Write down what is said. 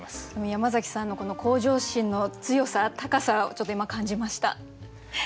山崎さんの向上心の強さ高さをちょっと今感じました。